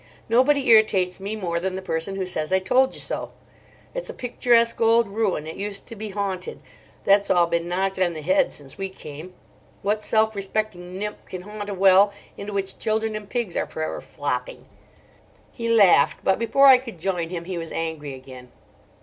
Nobody irritates me more than the person who says, 'I told you so.' It's a picturesque old ruin: it used to be haunted. That's all been knocked on the head since we came. What self respecting nymph can haunt a well into which children and pigs are for ever flopping?" He laughed; but before I could join him he was angry again.